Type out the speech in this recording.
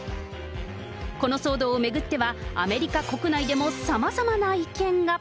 この騒動を巡っては、アメリカ国内でも様々な意見が。